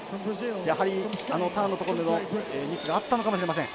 やはり、あのターンのところでのミスがあったのかもしれません。